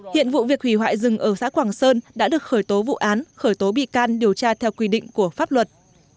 hiện vụ việc hủy hoại rừng ở xã quảng sơn đã được khởi tố vụ án khởi tố bị can điều tra theo quy định của pháp luật